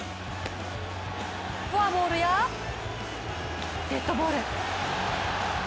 フォアボールや、デッドボール。